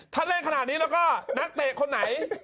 ถ้าเล่นขนาดนี้แล้วก็นักเตะคนไหน